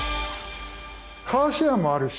カーシェアもあるし